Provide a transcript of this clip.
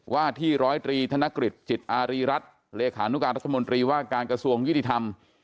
ว่าที่ร้อยตรีธนกฤษจิตอารีรัฐเลขานุการรัฐมนตรีว่าการกระทรวงยุติธรรม